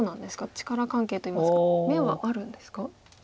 力関係といいますか眼はあるんですか？